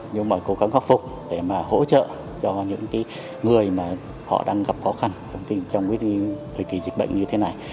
nhưng mà cố gắng khắc phục để mà hỗ trợ cho những người mà họ đang gặp khó khăn trong cái thời kỳ dịch bệnh như thế này